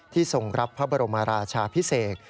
ทรงรับพระบรมราชาพิเศษ